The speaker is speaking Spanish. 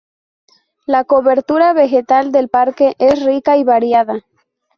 La cobertura vegetal del parque es rica y variada.